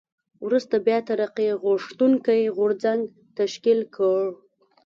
وروسته بیا ترقي غوښتونکی غورځنګ تشکیل کړ.